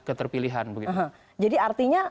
keterpilihan jadi artinya